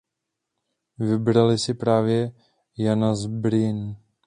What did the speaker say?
Vybrali si právě Jana z Brienne.